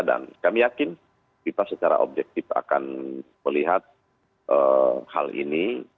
dan kami yakin viva secara objektif akan melihat hal ini